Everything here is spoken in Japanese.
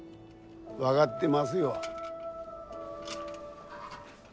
分がってますよ。